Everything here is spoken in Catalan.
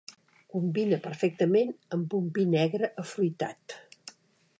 Combina perfectament amb un vi negre afruitat.